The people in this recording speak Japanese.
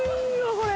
これ。